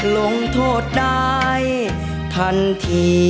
ลงโทษได้ทันที